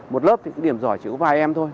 một lớp thì cũng điểm giỏi chỉ có vài em thôi